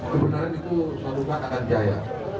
sebenarnya itu sebutan akan jaya